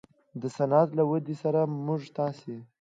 د صنعت له ودې سره موږ تاسې